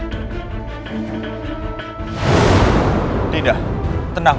kecuali keselamatan raka walah sengsang